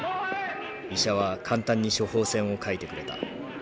医者は簡単に処方箋を書いてくれた。